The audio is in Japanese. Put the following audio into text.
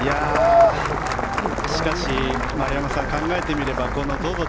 しかし、丸山さん考えてみればＺＯＺＯ